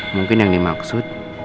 mungkin yang dimaksud